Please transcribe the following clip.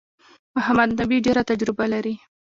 محمد نبي ډېره تجربه لري.